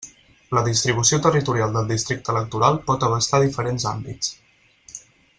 La distribució territorial del districte electoral pot abastar diferents àmbits.